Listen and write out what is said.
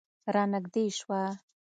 رانږدې شوه.